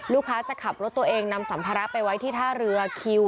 ลูกค้าจะขับรถตัวเองนำสัมภาระไปไว้ที่ท่าเรือคิว